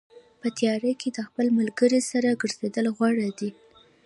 په تیارو کې د خپل ملګري سره ګرځېدل غوره دي.